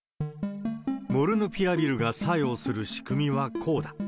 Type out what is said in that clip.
モルヌピラビルが作用する仕組みはこうだ。